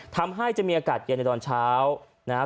ทำให้จะมีอากาศเย็นในตอนเช้านะฮะ